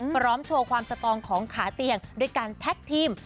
โชว์ความสตองของขาเตียงด้วยการแท็กทีม